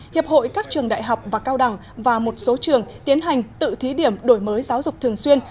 hiệp hội các trường đại học và cao đẳng và một số trường tiến hành tự thí điểm đổi mới giáo dục thường xuyên